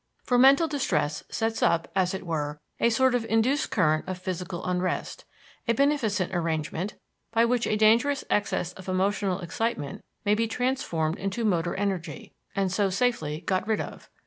For mental distress sets up, as it were, a sort of induced current of physical unrest; a beneficent arrangement, by which a dangerous excess of emotional excitement may be transformed into motor energy, and so safely got rid of.